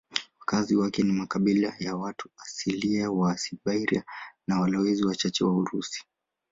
Wakazi wake ni makabila ya watu asilia wa Siberia na walowezi wachache Warusi.